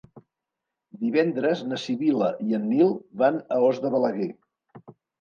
Divendres na Sibil·la i en Nil van a Os de Balaguer.